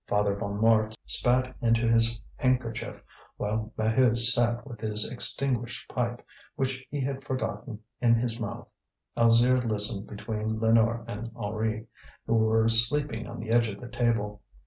Father Bonnemort spat into his handkerchief, while Maheu sat with his extinguished pipe, which he had forgotten, in his mouth. Alzire listened between Lénore and Henri, who were sleeping on the edge of the table.